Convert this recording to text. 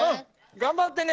頑張ってね！